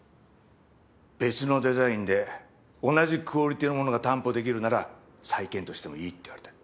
別のデザインで同じクオリティーのものが担保できるなら再検討してもいいって言われた。